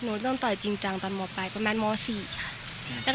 หนูเริ่มต่อยจริงจังตอนมปลายประมาณม๔ค่ะ